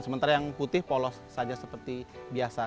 sementara yang putih polos saja seperti biasa